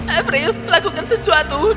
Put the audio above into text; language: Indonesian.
avril lakukan sesuatu